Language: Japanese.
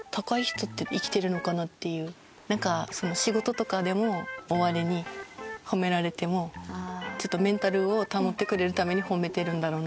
逆になんか仕事とかでも終わりに褒められてもメンタルを保ってくれるために褒めてるんだろうなとか。